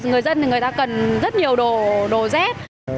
thì người dân thì người ta cần rất nhiều đồ dép